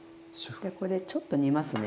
じゃこれでちょっと煮ますね。